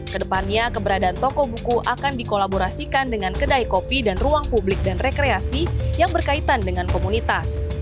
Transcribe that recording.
kedepannya keberadaan toko buku akan dikolaborasikan dengan kedai kopi dan ruang publik dan rekreasi yang berkaitan dengan komunitas